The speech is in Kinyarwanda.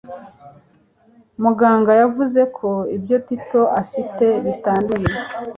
Muganga yavuze ko ibyo Tito afite bitanduye